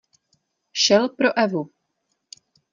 Šel pro Evu.